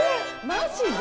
マジで？